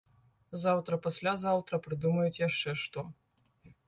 Заўтра-паслязаўтра прыдумаюць яшчэ што.